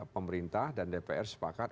pemerintah dan dpr sepakat